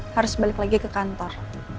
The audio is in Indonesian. harus balik lagi ke kantor